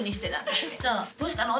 どうしたの？